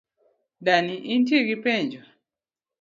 Dani, intie gi penjo?